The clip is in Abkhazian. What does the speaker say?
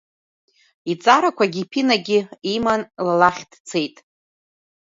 Иҵарақәагьы, иԥинагьы има ла лахь дцеит.